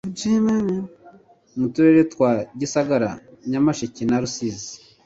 mu turere twa gisagara nyamasheke na rusizi